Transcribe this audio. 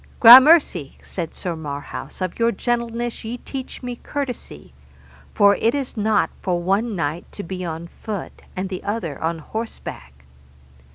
Gramercy, said Sir Marhaus, of your gentleness ye teach me courtesy, for it is not for one knight to be on foot, and the other on horseback.